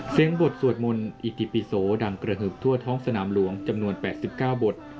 บทสวดมนต์อิติปิโสดังกระหึบทั่วท้องสนามหลวงจำนวน๘๙บท